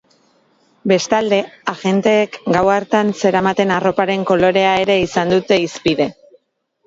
Bestalde, agenteek gaur hartan zeramaten arroparen kolorea ere izan dute hizpide.